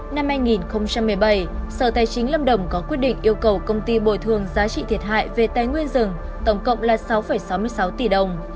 năm hai nghìn một mươi bảy sở tài chính lâm đồng có quyết định yêu cầu công ty bồi thường giá trị thiệt hại về tài nguyên rừng tổng cộng là sáu sáu mươi sáu tỷ đồng